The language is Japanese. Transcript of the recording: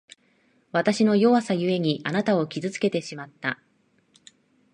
わたしの弱さゆえに、あなたを傷つけてしまった。